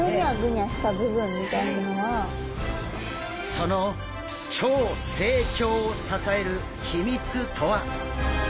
その超成長を支える秘密とは！？